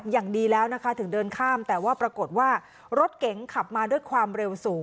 อย่างดีแล้วนะคะถึงเดินข้ามแต่ว่าปรากฏว่ารถเก๋งขับมาด้วยความเร็วสูง